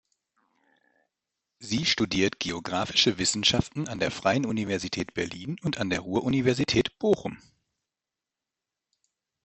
Sie studiert Geographische Wissenschaften an der Freien Universität Berlin und an der Ruhr-Universität Bochum.